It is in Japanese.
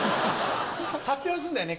発表するんだよね。